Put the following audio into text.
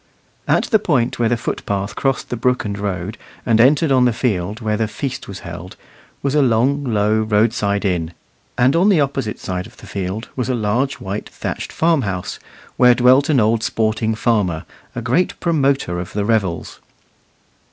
At the point where the footpath crossed the brook and road, and entered on the field where the feast was held, was a long, low roadside inn; and on the opposite side of the field was a large white thatched farmhouse, where dwelt an old sporting farmer, a great promoter of the revels.